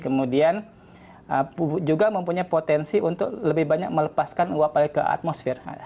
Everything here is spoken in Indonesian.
kemudian juga mempunyai potensi untuk lebih banyak melepaskan uap ke atmosfer